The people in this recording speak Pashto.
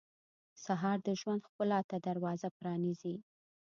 سهار د ژوند ښکلا ته دروازه پرانیزي.